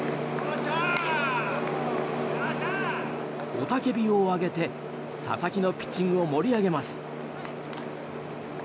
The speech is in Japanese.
雄たけびを上げて佐々木のピッチングを盛り上げます。